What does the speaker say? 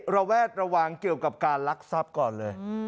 ระแวดระวังเกี่ยวกับการลักทรัพย์ก่อนเลย